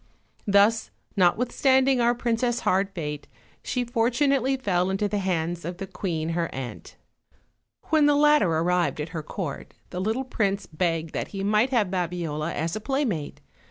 Thus, not withstanding our princess' hard fate, she fortunately fell into the hands of the queen her aunt. When the latter arrived at her court the little prince begged that he might have Babiola as a playmate.